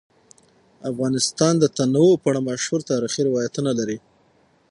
افغانستان د تنوع په اړه مشهور تاریخی روایتونه لري.